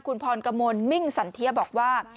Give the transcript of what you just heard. คุณพรกมลมิ่งสันเทียบอกว่า